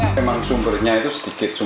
memang sumbernya itu sedikit